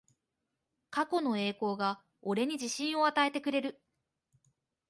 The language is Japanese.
過去の栄光が俺に自信を与えてくれる